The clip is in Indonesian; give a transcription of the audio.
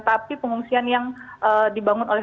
tapi pengungsian yang dibangun oleh